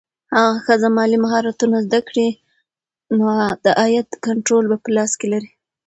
که ښځه مالي مهارتونه زده کړي، نو د عاید کنټرول په لاس کې لري.